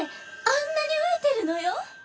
あんなに飢えてるのよ？